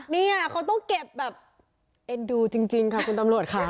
เนี่ยเขาต้องเก็บแบบเอ็นดูจริงค่ะคุณตำรวจค่ะ